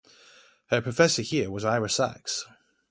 Her professor here was Ira Sachs.